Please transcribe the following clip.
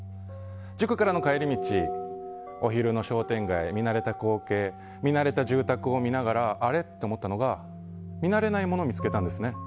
塾からの帰り道、お昼の商店街見慣れた光景見慣れた住宅を見ながらあれ？って思ったのが見慣れないものを見つけたんですね。